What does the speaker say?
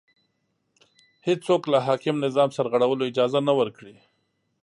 هېڅوک له حاکم نظام سرغړولو اجازه نه ورکړي